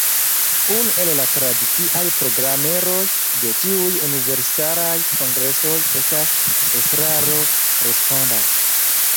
Unu el la tradiciaj programeroj de ĉiuj Universalaj Kongresoj estas ”Estraro respondas”.